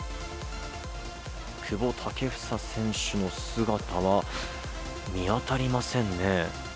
久保建英選手の姿は見当たりませんね。